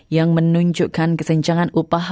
yang menunjukkan kesenjangan upah